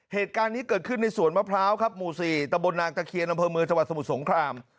เหตุการณ์นี้เกิดขึ้นในสวนมะพร้าวครับหมู่๔ตะบนนางตะเคียนอำเภอเมืองจังหวัดสมุทรสงคราม